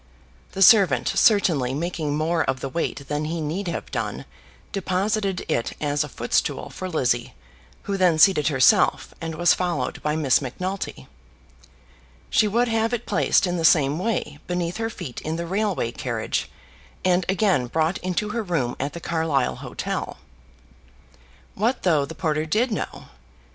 The servant, certainly making more of the weight than he need have done, deposited it as a foot stool for Lizzie, who then seated herself, and was followed by Miss Macnulty. She would have it placed in the same way beneath her feet in the railway carriage, and again brought into her room at the Carlisle hotel. What though the porter did know!